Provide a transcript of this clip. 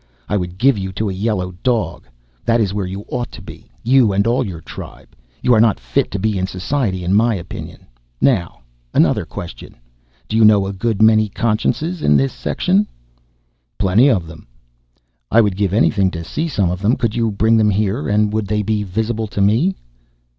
I would give you to a yellow dog! That is where you ought to be you and all your tribe. You are not fit to be in society, in my opinion. Now another question. Do you know a good many consciences in this section?" "Plenty of them." "I would give anything to see some of them! Could you bring them here? And would they be visible to me?"